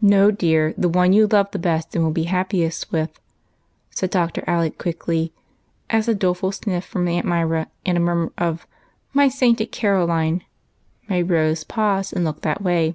"No, dear, the one you love the best and will be happiest witli," said Dr. Alec quickly, as a doleful sniff from Aunt Myra, and a murmur of " My sainted Caro line," made Rose pause and look that way.